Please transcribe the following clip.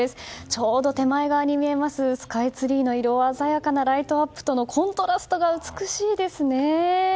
ちょうど手前側に見えるスカイツリーの鮮やかなライトアップとのコントラストが美しいですね。